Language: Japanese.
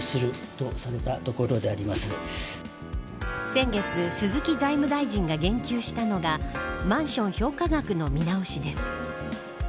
先月、鈴木財務大臣が言及したのがマンション評価額の見直しです。